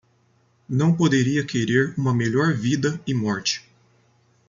Não poderia querer uma melhor vida e morte.